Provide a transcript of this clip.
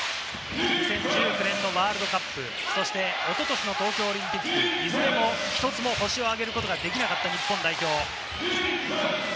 ２０１９年のワールドカップ、おととしの東京オリンピック、いずれも１つも星を上げることができなかった日本代表。